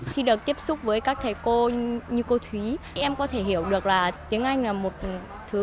khi được tiếp xúc với các thầy cô như cô thúy em có thể hiểu được là tiếng anh là một thứ